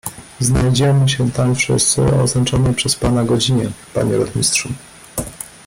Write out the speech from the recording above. "Znajdziemy się tam wszyscy o oznaczonej przez pana godzinie, panie rotmistrzu!"